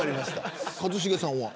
一茂さんは。